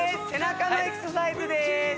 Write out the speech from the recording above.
背中のエクササイズです